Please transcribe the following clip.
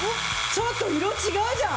ちょっと色違うじゃん。